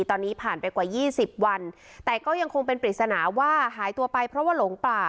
ตอนนี้ผ่านไปกว่า๒๐วันแต่ก็ยังคงเป็นปริศนาว่าหายตัวไปเพราะว่าหลงป่า